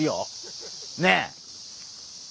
ねえ！